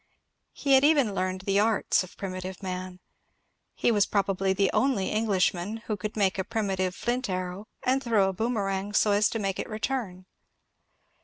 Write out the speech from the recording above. He had even learned the arts of primitive man : he was probably the only Englishman who could make a primitive flint arrow and throw a boomerang so as to make it return.